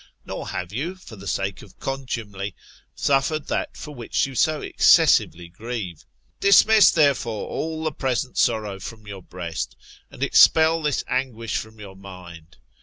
^ Nor have you, for the sake of contumely, suffered that for which you so excessively grieve. Dismiss, therefore, all the present sorrow from your breast, and expel this anguish from your mind.